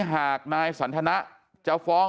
หากนายสันทนะจะฟ้อง